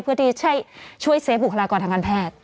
เพื่อที่ช่วยเซฟบุคลากรทางการแพทย์